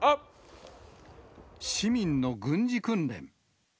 市民の軍事訓練。